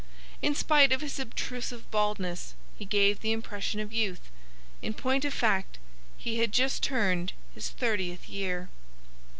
In spite of his obtrusive baldness, he gave the impression of youth. In point of fact he had just turned his thirtieth year.